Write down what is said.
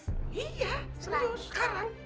iya serius sekarang